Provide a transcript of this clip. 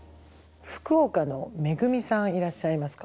福岡のめぐみさんいらっしゃいますか？